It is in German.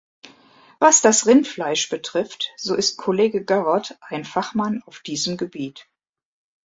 Was das Rindfleisch betrifft, so ist Kollege Garot ein Fachmann auf diesem Gebiet.